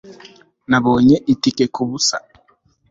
nabonye itike kubusa